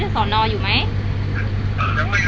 ให้พวกเราถึงสมบูรณ์ลุ่ม